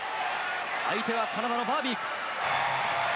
相手はカナダのバービーク。